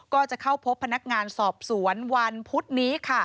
ก็จะเข้าพบพนักงานสอบสวนวันพุธนี้ค่ะ